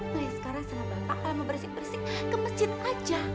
ibu sekarang sama bapak kalau mau berisik berisik ke masjid aja